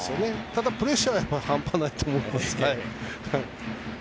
ただプレッシャーは半端ないと思いますけど。